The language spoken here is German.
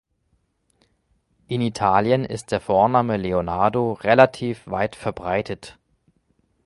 In Italien ist der Vorname Leonardo relativ weit verbreitet.